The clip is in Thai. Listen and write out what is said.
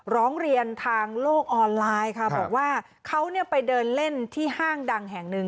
ร้องเรียนทางโลกออนไลน์ค่ะบอกว่าเขาเนี่ยไปเดินเล่นที่ห้างดังแห่งหนึ่ง